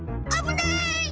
あぶない！